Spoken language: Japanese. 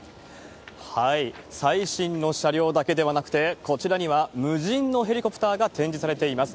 最新の車両だけではなくて、こちらには無人のヘリコプターが展示されています。